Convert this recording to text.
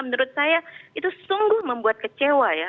menurut saya itu sungguh membuat kecewa ya